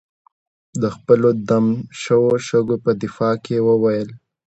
د خپلو دم شوو شګو په دفاع کې یې وویل.